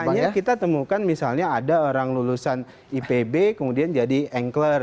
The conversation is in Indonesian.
makanya kita temukan misalnya ada orang lulusan ipb kemudian jadi ankler